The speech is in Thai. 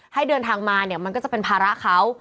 ให้เดินทางมาเนี่ยมันก็จะเป็นภาระเขา